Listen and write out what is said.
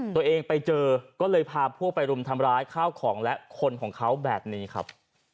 ตัวเองไปเจอก็เลยพาพวกไปรุมทำร้ายข้าวของและคนของเขาแบบนี้ครับ